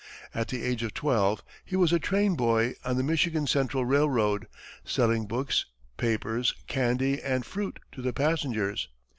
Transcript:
At the age of twelve, he was a train boy on the Michigan Central Railroad, selling books, papers, candy, and fruit to the passengers.